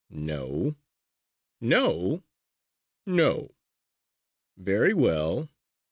"No!" "No?" "No!" "Very well!